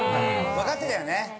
分かってたよね？